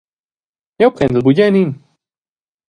Jeu prendel bugen in.